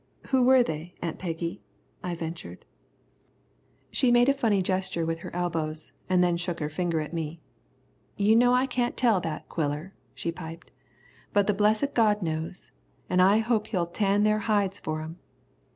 "Who were they, Aunt Peggy?" I ventured. She made a funny gesture with her elbows, and then shook her finger at me. "You know I can't tell that, Quiller," she piped, "but the blessed God knows, an' I hope He'll tan their hides for 'em."